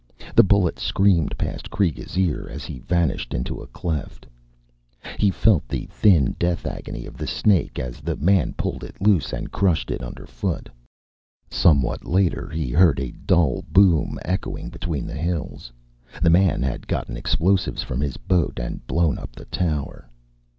The bullet screamed past Kreega's ear as he vanished into a cleft. He felt the thin death agony of the snake as the man pulled it loose and crushed it underfoot. Somewhat later, he heard a dull boom echoing between the hills. The man had gotten explosives from his boat and blown up the tower.